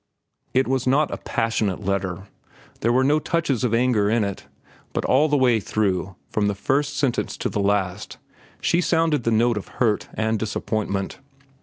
It was not a passionate letter. There were no touches of anger in it. But all the way through, from the first sentence to the last, was sounded the note of hurt and disappointment.